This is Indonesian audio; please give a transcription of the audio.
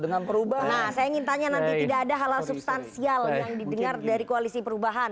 dengan perubahan saya ingin tanya nanti tidak ada halal substansial yang didengar dari koalisi perubahan